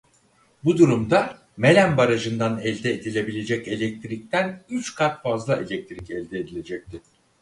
Bu durumda Melen Barajından elde edilebilecek elektrikten üç kat fazla elektrik elde edilecekti.